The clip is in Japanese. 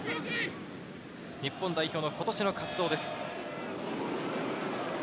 日本代表の今年の活動です。